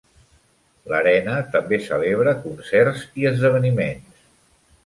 L'arena també celebra concerts i esdeveniments.